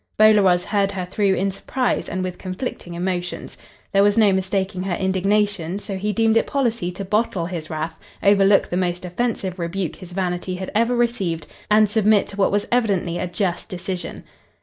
Bolaroz heard her through in surprise and with conflicting emotions. There was no mistaking her indignation, so he deemed it policy to bottle his wrath, overlook the most offensive rebuke his vanity had ever received, and submit to what was evidently a just decision.